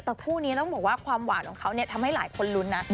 แต่คู่นี้ต้องบอกว่าความหวานของเขาเนี่ยทำให้หลายคนลุ้นนะ